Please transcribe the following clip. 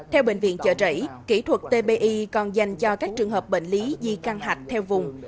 theo bệnh viện trợ đẩy kỹ thuật tbi còn dành cho các trường hợp bệnh lý di căng hạch theo vùng